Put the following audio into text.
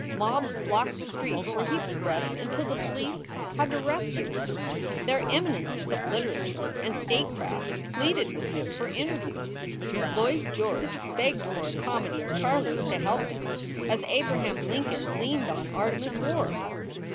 Mobs blocked the streets where he progressed until the police had to rescue him. Their Eminences of literature and statecraft pleaded with him for interviews. Lloyd George begged for a comedy of Charlie s to help him, as Abraham Lincoln leaned on Artemus Ward.